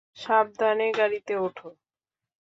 সাবধানে গাড়িতে ওঠো।